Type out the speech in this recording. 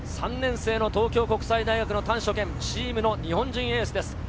３年生の東京国際大学・丹所健、チームの日本人エースです。